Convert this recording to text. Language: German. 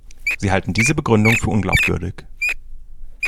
Sie halten diese Begründung für unglaubwürdig.